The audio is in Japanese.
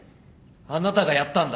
あなたがやったんだ。